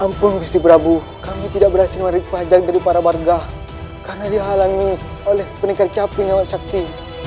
kampung gusti prabu kami tidak berhasil menarik pajak dari para warga karena dihalangi oleh peningkat capi nyawa sakti